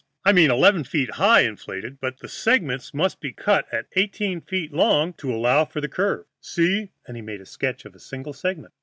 I mean eleven feet high inflated, but the segments must be cut out eighteen feet long to allow for the curve. See," and he made a sketch of a single segment.